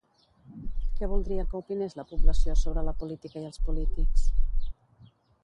Què voldria que opinés la població sobre la política i els polítics?